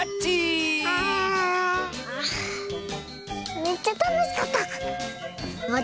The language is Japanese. めっちゃたのしかった！